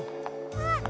あっ！